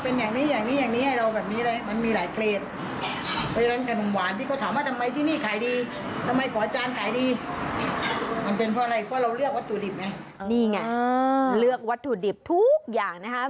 นี่ไงเลือกวัตถุดิบทุกอย่างนะครับ